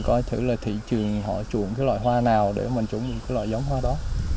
coi thử là thị trường họ chuộng cái loại hoa nào để mình trồng cái loại giống hoa đó